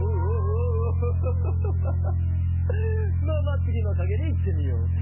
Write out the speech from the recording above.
まあまあつぎのかげにいってみよう。